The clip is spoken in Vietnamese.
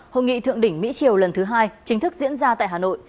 hội nghị thượng đỉnh mỹ triều lần thứ hai chính thức diễn ra tại hà nội